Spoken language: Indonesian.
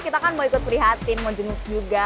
kita kan mau ikut perlihatin mau jenguk juga